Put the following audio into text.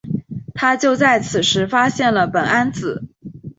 他就在此时发现了苯胺紫。